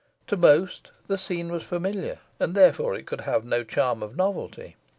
To most the scene was familiar, and therefore could have no charm of novelty.